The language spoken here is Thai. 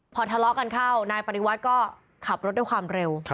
พอทะเลาะกันเข้านายปฏิวัติก็ขับรถด้วยความเร็ว